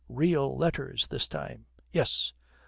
Real letters this time!' 'Yes.'